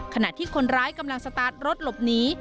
ขณะที่คนร้ายกำลังสตาร์ทรถหลบหนี